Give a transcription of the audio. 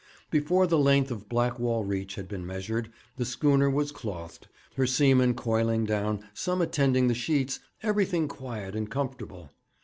Before the length of Blackwall Reach had been measured, the schooner was clothed, her seamen coiling down, some attending the sheets everything quiet and comfortable.